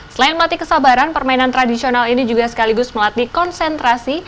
selain melatih kesabaran permainan tradisional ini juga sekaligus melatih konsentrasi